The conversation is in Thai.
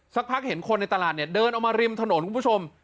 สักพักเห็นคนในตลาดเนี่ยเดินออกมาริมถนนคุณผู้ชม